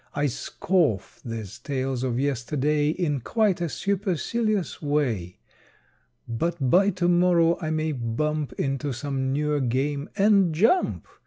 I scoff these tales of yesterday In quite a supercilious way, But by to morrow I may bump Into some newer game and jump!